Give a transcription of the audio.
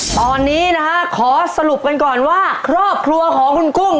ตอนนี้นะฮะขอสรุปกันก่อนว่าครอบครัวของคุณกุ้ง